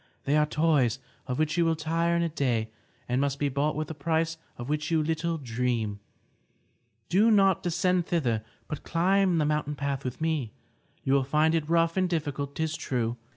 They are toys of which you will tire in a day and must be bought with a price of which you little dream. Do not descend thither, but climb the mountain path with me. You will find it rough and difficult, 'tis true.